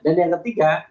dan yang ketiga